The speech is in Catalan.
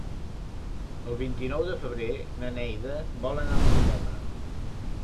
El vint-i-nou de febrer na Neida vol anar al cinema.